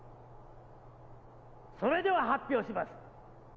・それでは発表します！